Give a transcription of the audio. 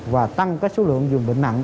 và tăng cái số lượng dùng bệnh nặng